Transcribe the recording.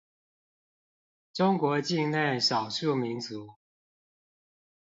中國境內少數民族